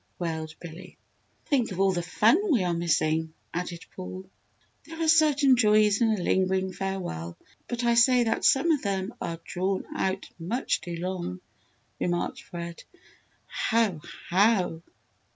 wailed Billy. "Think of all the fun we are missing!" added Paul. "There are certain joys in a lingering farewell but I say that some of them are drawn out much too long!" remarked Fred. "How! how!"